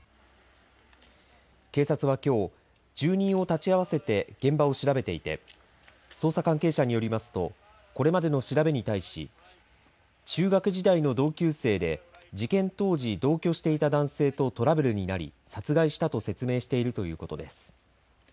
警察はきょう、住人を立ち会わせて現場を調べていて捜査関係者によりますとこれまでの調べに対し中学時代の同級生で事件当時、同居していた男性とトラブルになり殺害したと説明しているということです。